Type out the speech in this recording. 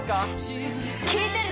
きいてる！